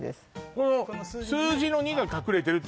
この数字の２が隠れてるってこと？